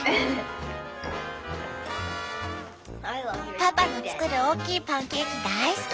パパの作る大きいパンケーキ大好き！